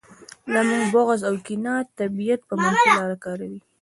زموږ بغض او کینه طبیعت په منفي لاره کاروي